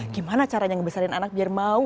gimana caranya ngebesarin anak biar mau